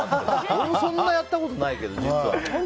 俺もそんなやったことないけど実は。